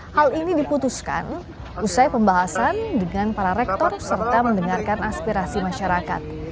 hal ini diputuskan usai pembahasan dengan para rektor serta mendengarkan aspirasi masyarakat